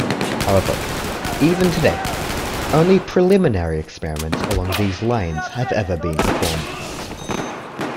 However, even today, only preliminary experiments along these lines have ever been performed.